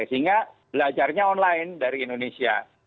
sehingga belajarnya online dari indonesia